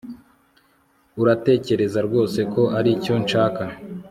Uratekereza rwose ko aricyo nshaka